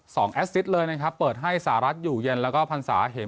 สองเลยนะครับเปิดให้สหรัฐอยู่เย็นแล้วก็พันธุ์สาเหม